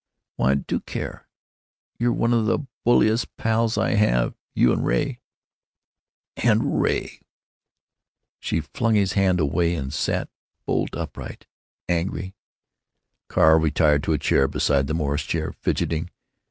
"Why, I do care! You're one of the bulliest pals I have, you and Ray." "And Ray!" She flung his hand away and sat bolt up, angry. Carl retired to a chair beside the Morris chair, fidgeting.